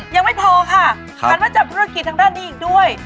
ยังไม่พอค่ะหันมาจับธุรกิจทางด้านนี้อีกด้วย